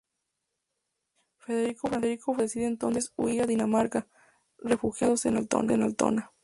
Federico Francisco decide entonces huir a Dinamarca, refugiándose en Altona.